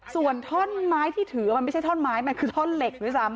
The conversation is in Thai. ส่วนท่อนไม้ที่ถือมันไม่ใช่ท่อนไม้มันคือท่อนเหล็กด้วยซ้ำ